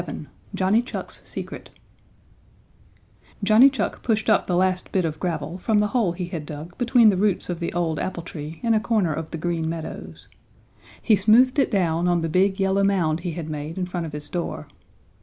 VII JOHNNY CHUCK'S SECRET Johnny Chuck pushed up the last bit of gravel from the hole he had dug between the roots of the old apple tree in a corner of the Green Meadows. He smoothed it down on the big, yellow mound he had made in front of his door.